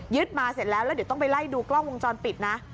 มาเสร็จแล้วแล้วเดี๋ยวต้องไปไล่ดูกล้องวงจรปิดนะ